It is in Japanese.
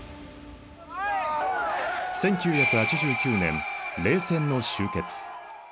１９８９年冷戦の終結。